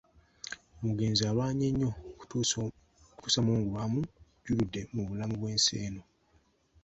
Omugenzi alwanye nnyo okutuusa mungu lw’amujjuludde mu bulamu bw’ensi eno.